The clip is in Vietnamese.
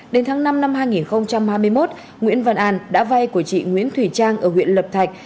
đến tháng năm năm hai nghìn hai mươi một nguyễn văn an đã vay của chị nguyễn thùy trang ở huyện lập thạch